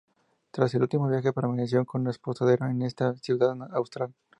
Tras el último viaje permaneció con apostadero en esa ciudad austral.